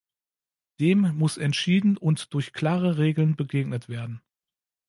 Dem muss entschieden und durch klare Regeln begegnet werden.